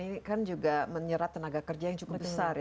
ini kan juga menyerat tenaga kerja yang cukup besar